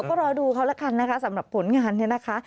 ก็รอดูเขาแล้วกันนะคะสำหรับผลงานเนี่ยนะคะ